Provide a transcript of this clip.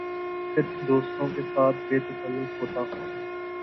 صرف دوستوں کے ساتھ بے تکلف ہوتا ہوں